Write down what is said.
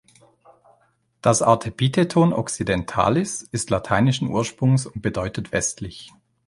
Das Artepitheton „occidentalis“ ist lateinischen Ursprungs und bedeutet „westlich“.